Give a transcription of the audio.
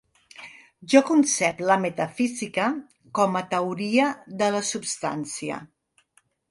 Jo concep la metafísica com a teoria de la substància.